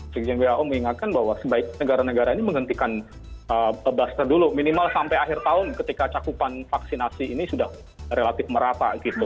sekjen who mengingatkan bahwa sebaik negara negara ini menghentikan booster dulu minimal sampai akhir tahun ketika cakupan vaksinasi ini sudah relatif merata gitu